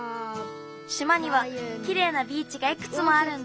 しまにはきれいなビーチがいくつもあるんだ。